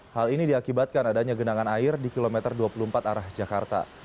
hal ini diakibatkan adanya genangan air di kilometer dua puluh empat arah jakarta